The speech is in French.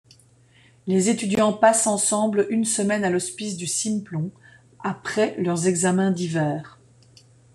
Les étudiants passent ensemble une semaine à l'Hospice du Simplon après leurs examens d'hiver.